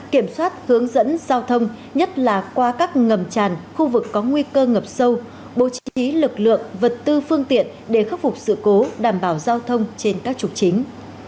kiểm soát hướng dẫn giao thông nhất là qua các ngầm tràn khu vực có nguy cơ ngập sâu bố trí lực lượng vật tư phương tiện để khắc phục sự cố đảm bảo giao thông trên các trục chính